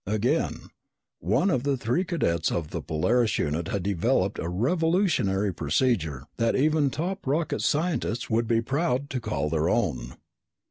Again, one of the three cadets of the Polaris unit had developed a revolutionary procedure that even top rocket scientists would be proud to call their own.